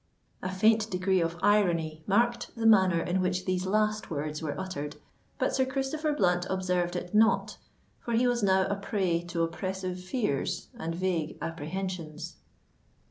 A faint degree of irony marked the manner in which these last words were uttered; but Sir Christopher Blunt observed it not—for he was now a prey to oppressive fears and vague apprehensions.